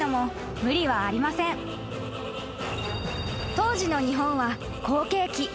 ［当時の日本は好景気］